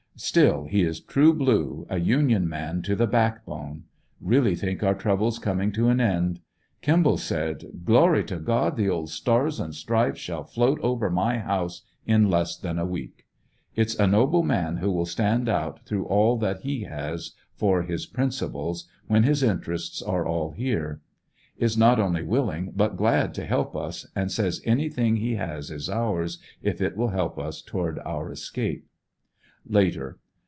Still he is true blue, a Union man to the back bone. Really think our troubles coming to an end. Kim ball said: * 'Glory to God, the old Stars and Stripes shall float over my house in less than a week!" It's a noble man who will stand out through all that he has, for his principles, when his interests are all here. Is not only willing, but glad to help us, and says anything he has is ours, if it will help us toward our escape. Later.